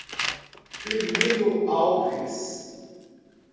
Firmino Alves